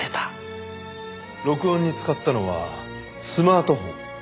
録音に使ったのはスマートフォン。